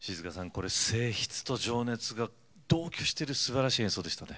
これ静ひつと情熱が同居しているすばらしい演奏でしたね。